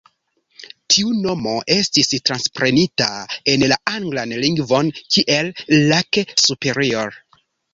Tiu nomo estis transprenita en la anglan lingvon kiel "Lake Superior".